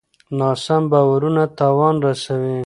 ناسم باورونه تاوان رسوي.